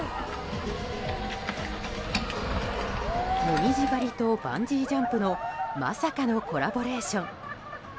紅葉狩りとバンジージャンプのまさかのコラボレーション。